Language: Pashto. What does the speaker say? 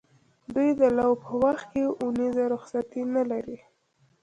دوی د لو په وخت کې اونیزه رخصتي نه لري.